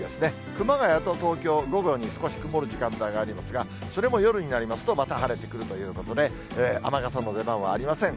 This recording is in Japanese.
熊谷と東京、午後に少し曇る時間帯がありますが、それも夜になりますと、また晴れてくるということで、雨傘の出番はありません。